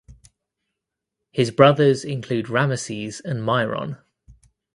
His brothers include Rameses and Myron.